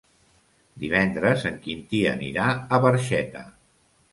Divendres en Quintí anirà a Barxeta.